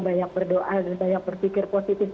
banyak berdoa dan banyak berpikir positif